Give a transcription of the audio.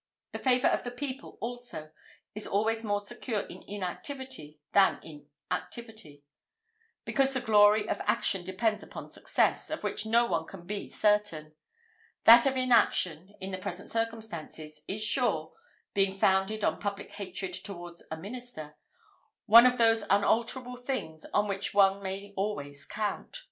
The favour of the people, also, is always more secure in inactivity than in activity, because the glory of action depends upon success, of which no one can be certain: that of inaction, in the present circumstances, is sure, being founded on public hatred towards a minister one of those unalterable things on which one may always count.